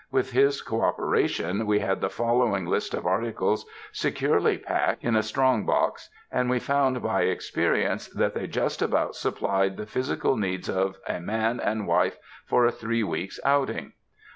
With his cooperation we had the following list of articles securely packed in a strong box. and we found by experience that they just about supplied the physical needs of man and wife for a three weeks' outing.